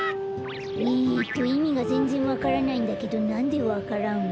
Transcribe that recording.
えっといみがぜんぜんわからないんだけどなんでわか蘭を？